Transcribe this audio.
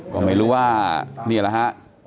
ก็ไม่รู้ว่านี่แหละฮะ